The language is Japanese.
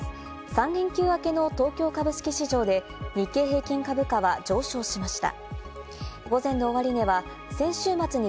３連休明けの東京株式市場で日経平均株価は上昇しました。